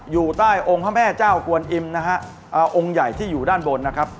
อยู่ใต้องค์พระแม่เจ้ากวนอิมนะฮะองค์ใหญ่ที่อยู่ด้านบนนะครับ